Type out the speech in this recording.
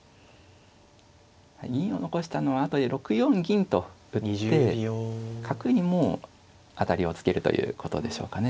銀を残したのは後で６四銀と打って角にも当たりをつけるということでしょうかね。